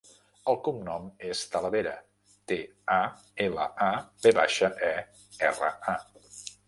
El cognom és Talavera: te, a, ela, a, ve baixa, e, erra, a.